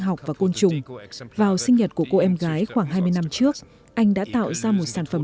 học và côn trùng vào sinh nhật của cô em gái khoảng hai mươi năm trước anh đã tạo ra một sản phẩm